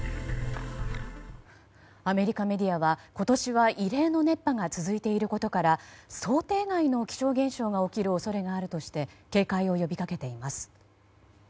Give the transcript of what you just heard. アメリカメディアは今年は異例の熱波が続いていることから想定外の気象現象が起きる恐れがあるとして警戒を呼びかけています。